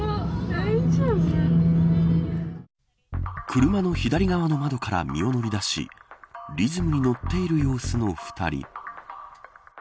車の左側の窓から身を乗り出しリズムに乗っている様子の２人。